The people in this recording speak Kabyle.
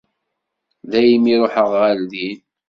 Daymi ruḥeɣ ɣer din.